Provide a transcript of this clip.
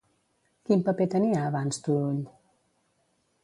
Quin paper tenia abans Turull?